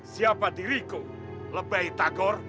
siapa diriku lebay tagor